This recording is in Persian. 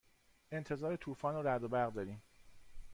انتظار طوفان رعد و برق داریم.